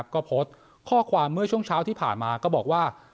ก็โพสต์ข้อความเมื่อช่วงเช้าที่ผ่านมาก็บอกว่า